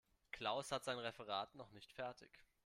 Klaus hat sein Referat noch nicht fertig.